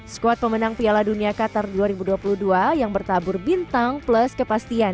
skuad pemenang piala dunia qatar dua ribu dua puluh dua yang bertabur bintang plus kepastian